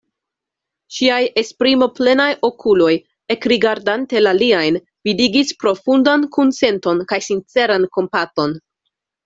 Ŝiaj esprimoplenaj okuloj, ekrigardante la liajn, vidigis profundan kunsenton kaj sinceran kompaton.